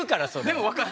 でも分か。